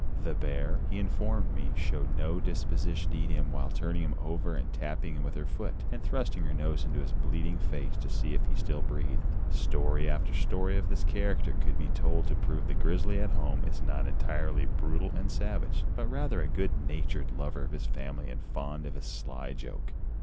The bear, he informed me, showed no disposition to eat him while turning him over and tapping him with her foot and thrusting her nose into his bleeding face to see if he still breathed. Story after story of this character could be told to prove that the grizzly at home is not entirely brutal and savage; but rather a good natured lover of his family and fond of his sly joke.